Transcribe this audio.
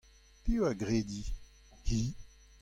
Piv a gredi ?- Hi.